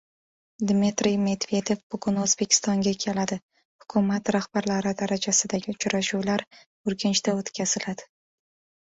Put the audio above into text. Dmitriy Medvedev bugun O‘zbekistonga keladi. Hukumat rahbarlari darajasidagi uchrashuvlar Urganchda o‘tkaziladi